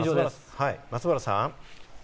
松原さん。